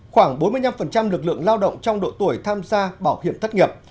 khoảng bốn mươi năm lực lượng lao động trong độ tuổi tham gia bảo hiểm thất nghiệp